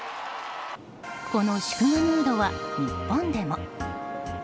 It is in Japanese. この祝賀ムードは日本でも。